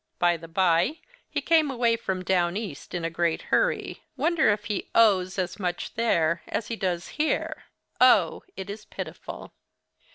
By the by, he came away from Down East in a great hurry. Wonder if he O's as much there as he does here? "O! it is pitiful."